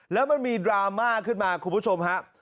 แล้วมันมีดราม่าขึ้นมาคุณผู้ชมครับ